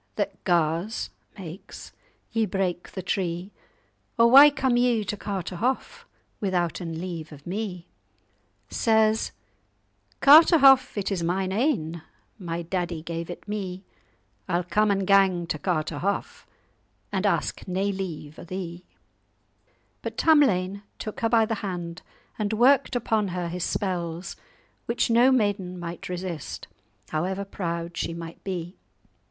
What gars (makes) ye break the tree? Or why come ye to Carterhaugh, Withouten leave of me?' Says—'Carterhaugh it is mine ain; My daddy gave it me: I'll come and gang to Carterhaugh, And ask nae leave o' thee.'" But Tamlane took her by the hand and worked upon her his spells, which no maiden might resist, however proud she might be.